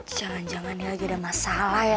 jangan dua ini ada masalah ya